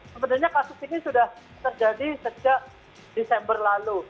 sebenarnya kasus ini sudah terjadi sejak desember lalu